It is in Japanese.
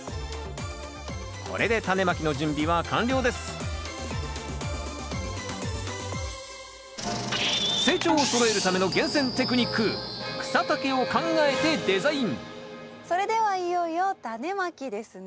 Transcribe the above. これでタネまきの準備は完了です成長をそろえるための厳選テクニックそれではいよいよタネまきですね。